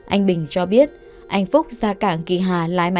anh bình cho biết anh phúc ra cảng kỳ hà lái